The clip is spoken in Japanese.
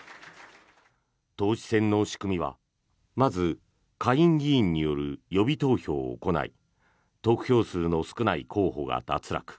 党首選の仕組みはまず下院議員による予備投票を行い得票数の少ない候補が脱落。